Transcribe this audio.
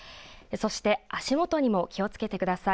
そして足元にも気をつけてください。